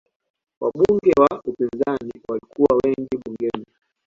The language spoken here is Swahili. Wabunge wa upinzani walikuwa wengi bungeni